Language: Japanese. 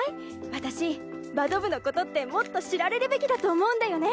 私バド部のことってもっと知られるべきだと思うんだよね！